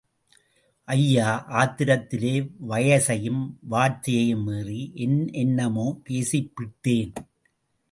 ஐயா, ஆத்திரத்திலே வயசையும் வார்த்தையையும் மீறி என்னென்னமோ பேசிப்பிட்டேன்.